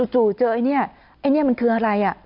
จู่เจอเองนี่มันคืออะไร